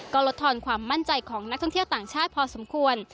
ก็ลดทอนความมั่นใจของนักท่องเที่ยวต่างชาติพอสมควร